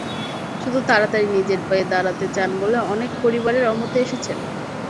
শুধু তাড়াতাড়ি নিজের পায়ে দাঁড়াতে চান বলে অনেকে পরিবারের অমতে এসেছেন।